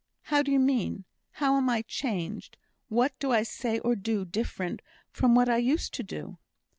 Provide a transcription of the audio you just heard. How do you mean? How am I changed? What do I say or do different from what I used to do?"